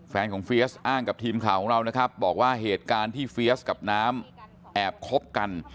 แฟนของเฟียสอ้างกับทีมข่าวของเรานะครับบอกว่าเหตุการณ์ที่เฟียสกับน้ำแอบคบกัน